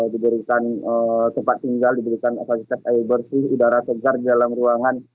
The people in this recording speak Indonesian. diberikan tempat tinggal diberikan fasilitas air bersih udara segar di dalam ruangan